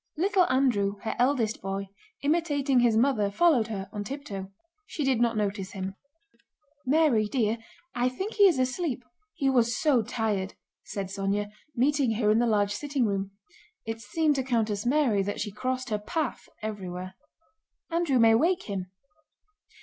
Little Andrew, her eldest boy, imitating his mother, followed her on tiptoe. She did not notice him. "Mary, dear, I think he is asleep—he was so tired," said Sónya, meeting her in the large sitting room (it seemed to Countess Mary that she crossed her path everywhere). "Andrew may wake him."